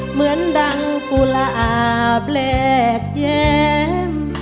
เหมือนดังกุระแบบแย้ม